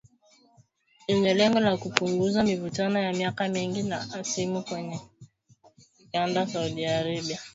yenye lengo la kupunguza mivutano ya miaka mingi na hasimu wake wa kikanda Saudi Arabia